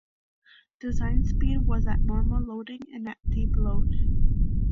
Design speed was at normal loading and at deep load.